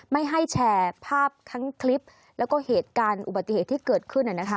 ไม่ให้แชร์ภาพทั้งคลิปแล้วก็เหตุการณ์อุบัติเหตุที่เกิดขึ้น